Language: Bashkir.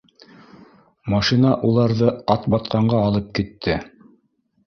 Машина уларҙы Атбатҡанға алып китте